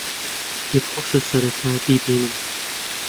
پێم خۆشە سەرەتا بیبینم.